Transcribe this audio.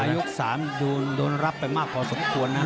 ยก๓โดนรับไปมากพอสมควรนะ